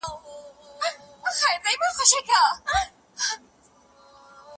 په ښوونځیو کي د زده کوونکو ترمنځ د همږغۍ پروګرامونه نه وو.